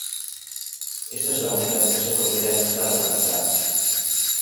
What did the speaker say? Esta es la única empresa que ópera en esta localidad.